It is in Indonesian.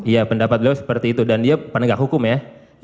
ya pendapat beliau seperti itu dan dia penegak hukum ya